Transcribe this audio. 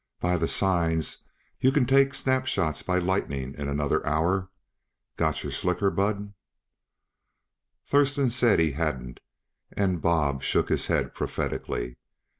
"By the signs, you can take snap shots by lightning in another hour. Got your slicker, Bud?" Thurston said he hadn't, and Bob shook his head prophetically.